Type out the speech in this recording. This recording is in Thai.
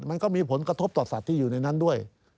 มันก็มีผลกระทบต่อสัตว์ที่อยู่ในนั้นด้วย